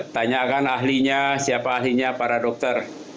tanyakan ahlinya siapa ahlinya para dokter